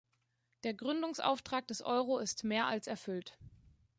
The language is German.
Der Gründungsauftrag des Euro ist mehr als erfüllt.